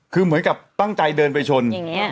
คือเหมือนกับตั้งใจเดินไปชน